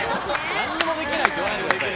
何もできないって言わないでください。